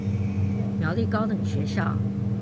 苗栗高等學校